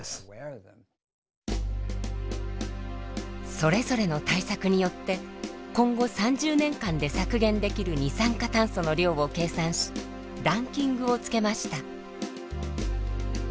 それぞれの対策によって今後３０年間で削減できる二酸化炭素の量を計算しランキングをつけました。